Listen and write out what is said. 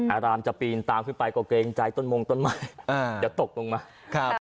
อารามจะปีนตามขึ้นไปก็เกรงใจต้นมงต้นไม้จะตกลงมา